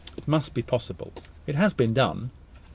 This must be possible; it has been done.